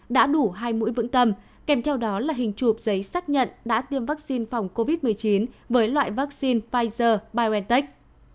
đã đủ hai mũi vững tâm kèm theo đó là hình chụp giấy xác nhận đã tiêm vaccine phòng covid một mươi chín với loại vaccine pfizer biontech